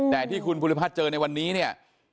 แต่ที่คุณภูริพัฒน์เจอในวันนี้เนี่ย